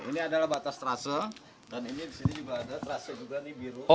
ini adalah batas trase dan ini disini juga ada trase juga ini biru